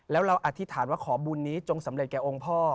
แล้วเราอธิษฐานว่าขอบุญนี้จงสำเร็จแก่องค์พ่อ